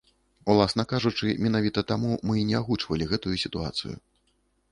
Уласна кажучы, менавіта таму мы і не агучвалі гэтую сітуацыю.